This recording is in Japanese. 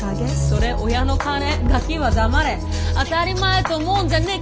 それ親の金ガキは黙れ当たり前と思うんじゃねぇ